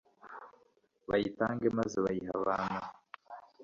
bayitange maze bayiha abantu